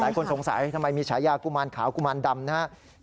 สงสัยทำไมมีฉายากุมารขาวกุมารดำนะครับ